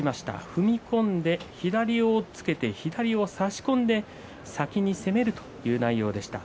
踏み込んで左を押っつけて左を差し込んで先に攻めるという内容でした。